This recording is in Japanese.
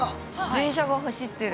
電車が走ってる。